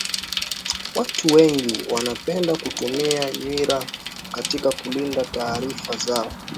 watu wengi wanapenda kutumia nywira katika kulinda taarifa zao